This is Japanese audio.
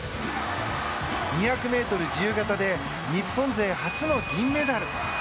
２００ｍ自由形で日本勢初の銀メダル。